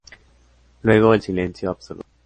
Luego, el silencio absoluto.